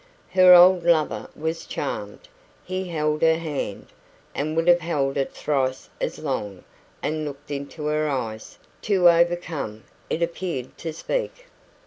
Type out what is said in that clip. Her old lover was charmed. He held her hand and would have held it thrice as long and looked into her eyes, too overcome, it appeared, to speak.